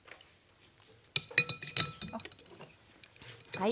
はい。